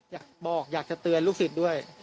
อยากบอกอยากจะเตือนลูกศิษย์ด้วย